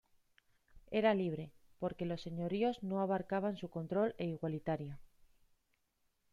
Era libre, porque los señoríos no abarcaban su control e igualitaria.